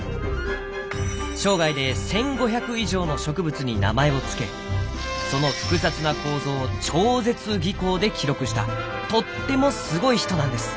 生涯で１５００以上の植物に名前を付けその複雑な構造を超絶技巧で記録したとってもすごい人なんです！